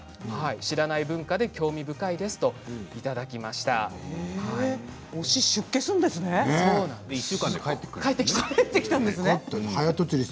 知らない文化で興味深いですということです。